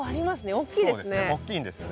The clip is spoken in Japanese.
大きいんですよね。